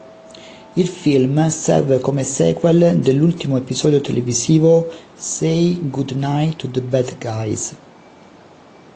Il film serve come sequel dell'ultimo episodio televisivo "Say Goodnight to the Bad Guys".